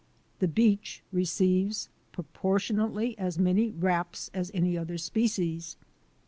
The beech receives proportionally as many raps as any other species.